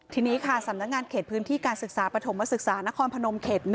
ทีนี้ค่ะสำนักงานเขตพื้นที่การศึกษาปฐมศึกษานครพนมเขต๑